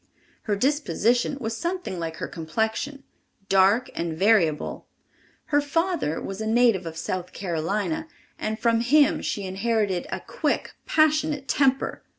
Her disposition was something like her complexion—dark and variable. Her father was a native of South Carolina, and from him she inherited a quick, passionate temper.